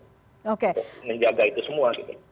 untuk menjaga itu semua gitu